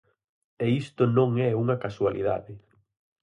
E isto non é unha casualidade.